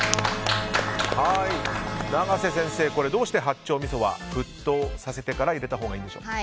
長瀬先生、どうして八丁みそは沸騰させてから入れたほうがいいんでしょうか？